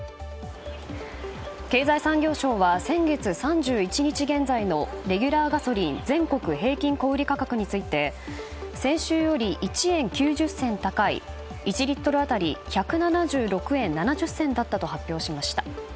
経済産業省は、先月３１日現在のレギュラーガソリン全国平均小売価格について先週より１円９０銭高い１リットル当たり１７６円７０銭だったと発表しました。